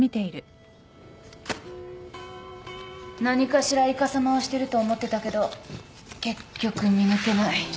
何かしらいかさまをしてると思ってたけど結局見抜けない。